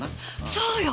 そうよ！